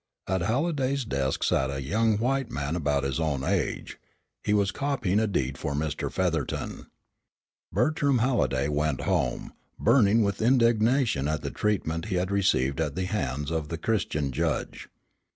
At Halliday's desk sat a young white man about his own age. He was copying a deed for Mr. Featherton. PARY IV Bertram Halliday went home, burning with indignation at the treatment he had received at the hands of the Christian judge.